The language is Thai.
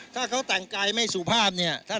ถ้าเขาแต่งกายไม่สุภาพเนี่ย